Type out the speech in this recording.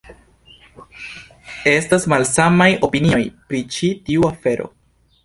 Estas malsamaj opinioj pri ĉi tiu afero.